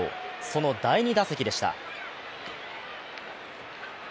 その第２打席でした。